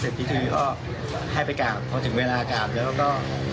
เสร็จที่ที่ก็ให้ไปกราบเพราะถึงเวลากราบแล้วก็